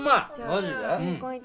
マジで？